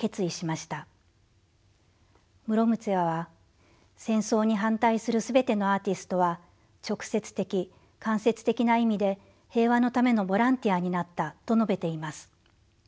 ムロムツェワは「戦争に反対する全てのアーティストは直接的間接的な意味で平和のためのボランティアになった」と述べています。